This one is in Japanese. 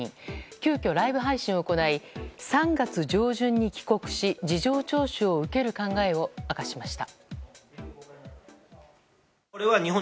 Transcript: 急きょ、ライブ配信を行い３月上旬に帰国し事情聴取を受ける考えを明かしました。